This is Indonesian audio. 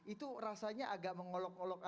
itu rasanya agak mengolok ngolok